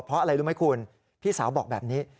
เพราะอะไรรู้ไหมคุณพี่สาวบอกแบบนี้